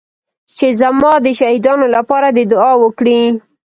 چې زما د شهيدانو لپاره دې دعا وکړي.